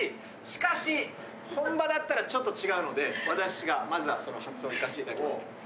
しかし本場だったらちょっと違うので私がまずはその発音いかしていただきます